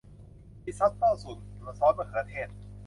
ริซอตโต้สูตรซอสมะเขือเทศ